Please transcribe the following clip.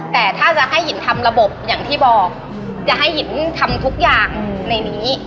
แต่ถ้าจะให้หินทำระบบอย่างที่บอกจะให้หินทำทุกอย่างในนี้